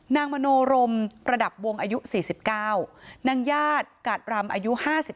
มโนรมประดับวงอายุ๔๙นางญาติกาดรำอายุ๕๓